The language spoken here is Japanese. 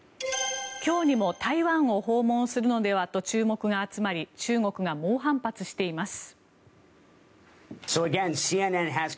今日にも台湾を訪問するのではと注目が集まり中国が猛反発しています。